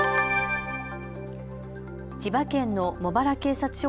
千葉県の茂原警察署